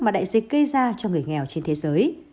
mà đại dịch gây ra cho người nghèo trên thế giới